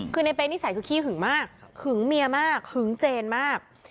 คือในเป๊นิสัยคือขี้หึงมากหึงเมียมากหึงเจนมาก